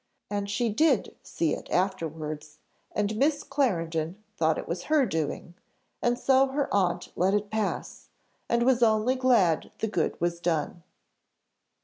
And she did see it afterwards, and Miss Clarendon thought it was her doing, and so her aunt let it pass, and was only glad the good was done.